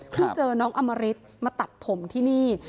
เจอน้องอมริตมาตัดผมที่นี่